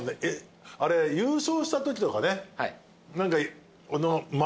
あれ優勝したときとかね。